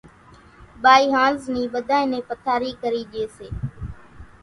ٻائِي ۿانز نِي ٻڌانئين نين پٿارِي ڪرِي ڄيَ سي۔